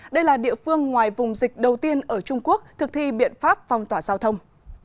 đây là địa phương ngoài vùng dịch đầu tiên ở trung quốc thực thi biện pháp phong tỏa giao thông